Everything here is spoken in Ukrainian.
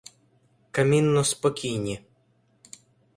Камінно- спокійні.